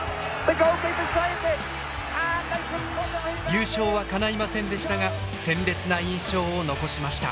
優勝はかないませんでしたが鮮烈な印象を残しました。